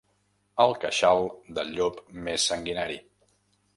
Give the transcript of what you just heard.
El queixal del llop més sanguinari.